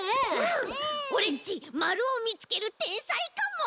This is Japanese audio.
オレっちまるをみつけるてんさいかも！